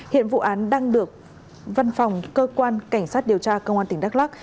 hiện vụ án đang được văn phòng cơ quan cảnh sát điều tra công an tỉnh đắk lắc